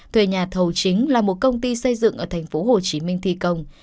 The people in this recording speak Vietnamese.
thuê nhà thầu chính là một công ty xây dựng ở thành phố hồ chí minh thi công